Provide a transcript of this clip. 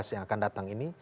yang akan datang